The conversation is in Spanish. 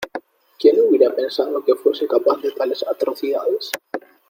¿ Quién hubiera pensado que fuese capaz de tales atrocidades?